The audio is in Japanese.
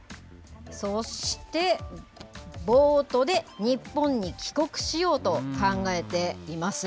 そして、ボートで日本に帰国しようと考えています。